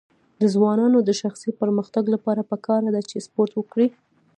د ځوانانو د شخصي پرمختګ لپاره پکار ده چې سپورټ وکړي.